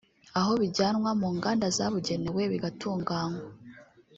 aho bijyanwa mu nganda zabugenewe bigatunganywa